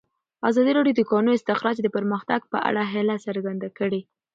ازادي راډیو د د کانونو استخراج د پرمختګ په اړه هیله څرګنده کړې.